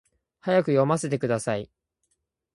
早く読ませてください